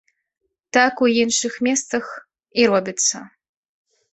Так у іншых месцах і робіцца.